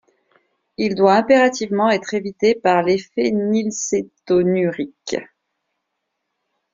Il doit impérativement être évité par les phénylcétonuriques.